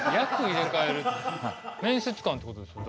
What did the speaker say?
面接官ってことですよね。